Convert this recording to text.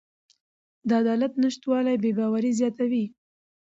د عدالت نشتوالی بې باوري زیاتوي